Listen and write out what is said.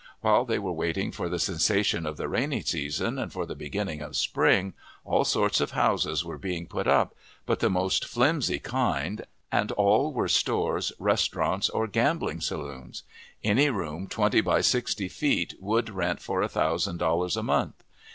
While they were waiting for the cessation of the rainy season, and for the beginning of spring, all sorts of houses were being put up, but of the most flimsy kind, and all were stores, restaurants, or gambling saloons. Any room twenty by sixty feet would rent for a thousand dollars a month.